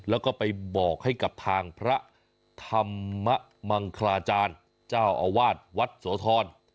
แล้วก็ไปบอกให้กับทางพระธรรมมังคลาจารย์เจ้าอาวาสวัดโสธร